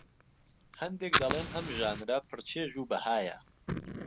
هەندێک دەڵێن ئەم ژانرە پڕ چێژ و بەهایە